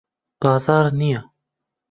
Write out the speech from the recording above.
بازاڕ نییە.